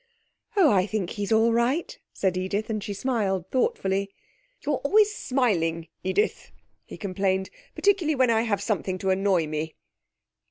'Oh! I think he's all right, said Edith, and she smiled thoughtfully. 'You're always smiling, Edith,' he complained. 'Particularly when I have something to annoy me.'